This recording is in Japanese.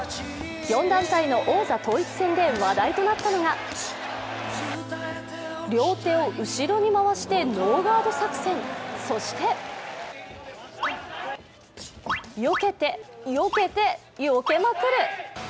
４団体の王座統一戦で話題となったのが両手を後ろに回してノーガード作戦、そしてよけて、よけて、よけまくる。